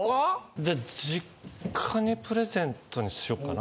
じゃ実家にプレゼントにしようかな。